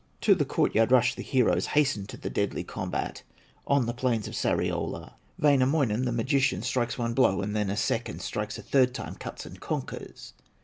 To the court yard rushed the heroes, Hastened to the deadly combat, On the plains of Sariola. Wainamoinen, the magician, Strikes one blow, and then a second, Strikes a third time, cuts and conquers.